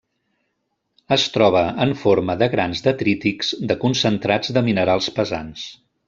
Es troba en forma de grans detrítics de concentrats de minerals pesants.